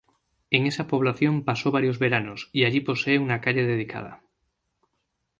En esa población pasó varios veranos y allí posee una calle dedicada.